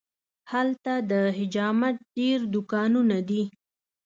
هلته د حجامت ډېر دوکانونه دي.